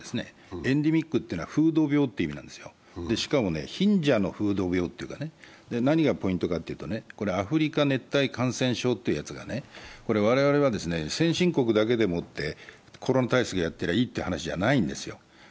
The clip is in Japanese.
エンデミックというのは風土病という意味なんです、しかも貧者の風土病というかね、何がポイントかというと、アフリカ熱帯感染症というやつがね、我々は先進国だけでもってコロナ対策やってればいいって話じゃないんですよ。